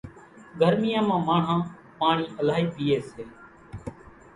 ڳرميان مان ماڻۿان پاڻِي لائِي پيئيَ سي۔